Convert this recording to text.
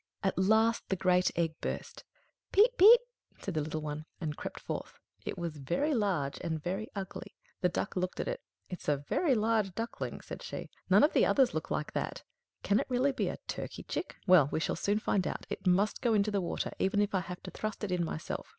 At last the great egg burst. "Piep! piep!" said the little one, and crept forth. It was very large and very ugly. The Duck looked at it. "It's a very large duckling," said she; "none of the others look like that. Can it really be a turkey chick? Well, we shall soon find out. It must go into the water, even if I have to thrust it in myself."